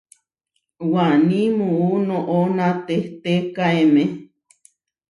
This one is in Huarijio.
Waní muú noʼó natehtékaeme.